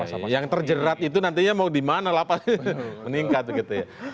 iya yang terjerat itu nantinya mau dimana lapas meningkat begitu ya